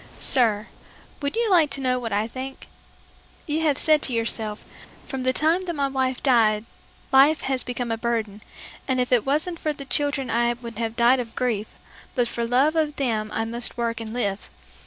"Sir, would you like to know what I think? You have said to yourself, 'From the time that my wife died life has become a burden, and if it wasn't for the children I would have died of grief, but for love of them I must work and live.